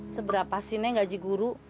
seberapa sih nek gaji guru